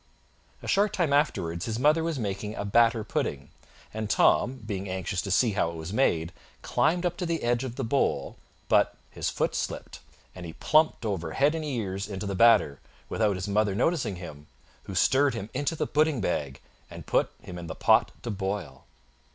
A short time afterwards his mother was making a batter pudding, and Tom, being anxious to see how it was made, climbed up to the edge of the bowl; but his foot slipped, and he plumped over head and ears into the batter, without his mother noticing him, who stirred him into the pudding bag, and put him in the pot to boil.